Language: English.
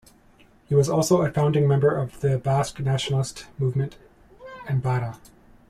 He was also a founding member of the Basque nationalist movement Enbata.